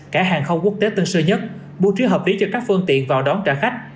cả hàng không quốc tế tân sơ nhất bưu trí hợp lý cho các phương tiện vào đón trả khách